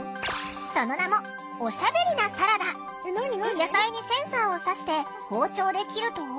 その名も野菜にセンサーを挿して包丁で切ると。